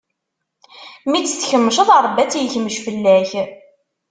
Mi tt-tkemceḍ, Ṛebbi ad tt-ikmec fell-ak.